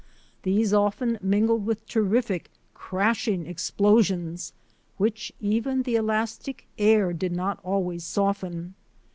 These often mingled with terrific, crashing explosions which even the elastic air did not always soften.